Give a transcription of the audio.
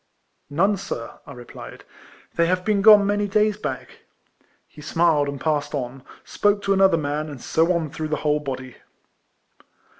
" None, sir," I replied ;" they have been gone many days back." He smiled, and passing on, spoke to another man, and so on through the whole bod}'.